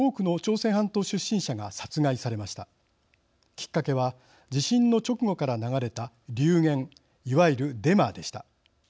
きっかけは地震の直後から流れた流言いわゆるデマでした。